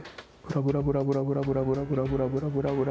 ブラブラブラブラブラブラブラブラ。